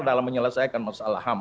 dalam menyelesaikan masalah ham